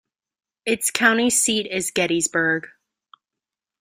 Its county seat is Gettysburg.